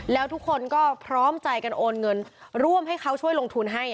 แล้วทุกคนก็พร้อมใจกันโอนเงินร่วมให้เขาช่วยลงทุนให้